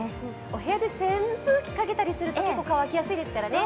お部屋で扇風機かけたりすると、結構乾きやすいですからね。